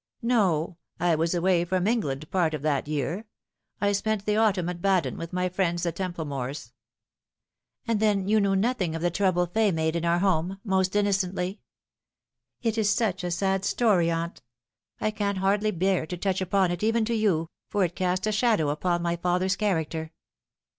" No. I was away from England part of that year. I spent the autumn at Baden with my friends the Templemores." " Ah, then you knew nothing of the trouble Fay made in our home most innocently ? It is such a sad story, aunt. I can hardly bear to touch upon it, even to you, for it cast a shadow upon my father's character.